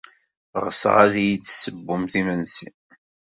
Ɣseɣ ad iyi-d-tessewwemt imensi.